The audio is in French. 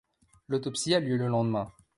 L'autopsie a lieu le lendemain.